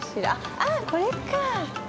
あぁこれか！